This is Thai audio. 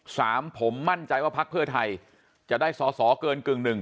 สามผมมั่นใจว่าพักเพื่อไทยจะได้สอสอเกินกึ่งหนึ่ง